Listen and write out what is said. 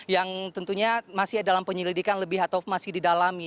yang tentunya masih dalam penyelidikan lebih atau masih didalami